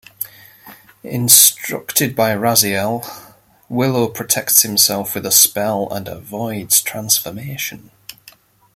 Instructed by Raziel, Willow protects himself with a spell and avoids transformation.